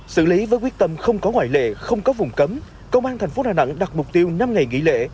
xử lý với quyết tâm không có ngoại lệ không có vùng cấm công an thành phố đà nẵng đặt mục tiêu năm ngày nghỉ lễ